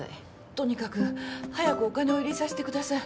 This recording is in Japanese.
とにかく早くお金を入れさせてください。